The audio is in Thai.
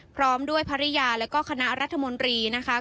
พร้อมด้วยภรรยาแล้วก็คณะรัฐมนตรีนะคะ